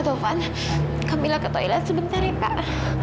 tuhan camilla ke toilet sebentar ya kak